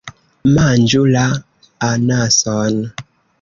Manĝu la... anason.